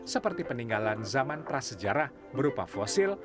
seperti peninggalan zaman prasejarah berupa fosil